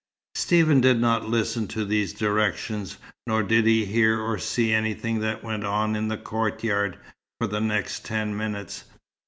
Stephen did not listen to these directions, nor did he hear or see anything that went on in the courtyard, for the next ten minutes.